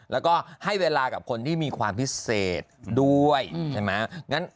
แล้วก็ให้เวลากับคนที่มีความพิเศษด้วยใช่ไหม